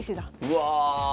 うわ！